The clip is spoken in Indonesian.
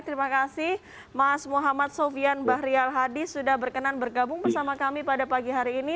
terima kasih mas muhammad sofyan bahri al hadi sudah berkenan bergabung bersama kami pada pagi hari ini